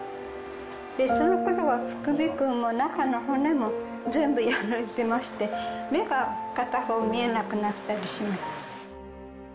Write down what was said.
そのころは、副鼻腔も中の骨も全部やられてまして、目が片方見えなくなったりしました。